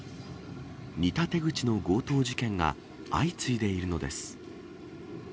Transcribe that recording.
似た手口の強盗事件が相次いでいるのです。